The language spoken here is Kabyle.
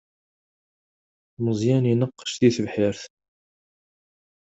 Meẓyan ineqqec di tebḥirt.